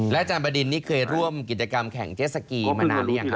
และจำบดินนี่เคยร่วมกิจกรรมแข่งเจสสกีมานานหรือยังครับ